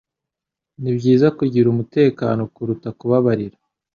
Nibyiza kugira umutekano kuruta kubabarira